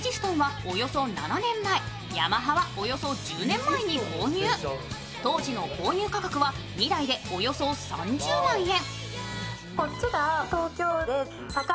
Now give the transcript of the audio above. ブリジストンはおよそ７年前、ヤマハはおよそ１０年前の購入当時の購入価格は２台でおよそ３０万円。